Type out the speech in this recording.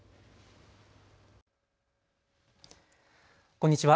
こんにちは。